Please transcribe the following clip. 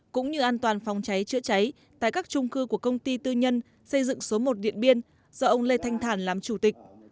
cũng như an toàn phòng cháy chữa cháy tại các trung cư của công ty tư nhân xây dựng số một điện biên do ông lê thanh thản làm chủ tịch